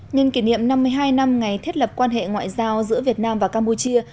nhân kỷ niệm năm mươi hai năm ngày thiết lập quan hệ ngoại giao giữa việt nam và campuchia